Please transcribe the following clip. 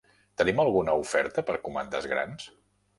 Tenim alguna oferta per comandes grans?